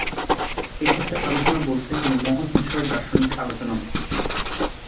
এক্ষেত্রে আলোচনা বলতে কোনো মহৎ বিষয়ে দার্শনিক আলোচনা বোঝায়।